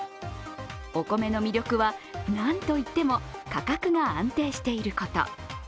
お米の魅力はなんといっても価格が安定していること。